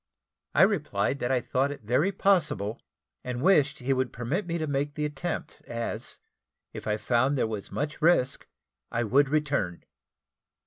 I replied that I thought it very possible, and wished he would permit me to make the attempt, as, if I found there were much risk, I would return.